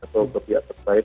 atau ke pihak tersebut